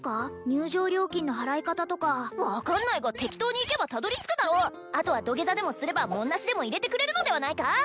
入場料金の払い方とか分かんないが適当に行けばたどり着くだろうあとは土下座でもすれば文無しでも入れてくれるのではないか？